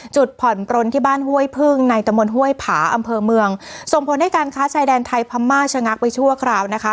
จุดผ่อนปลนที่บ้านห้วยพึ่งในตะมนต์ห้วยผาอำเภอเมืองส่งผลให้การค้าชายแดนไทยพม่าชะงักไปชั่วคราวนะคะ